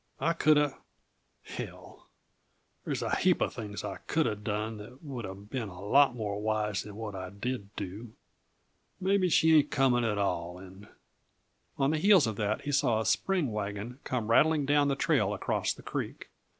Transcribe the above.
I coulda hell, there's a heap uh things I coulda done that would uh been a lot more wise than what I did do! Maybe she ain't coming at all, and " On the heels of that he saw a spring wagon, come rattling down the trail across the creek.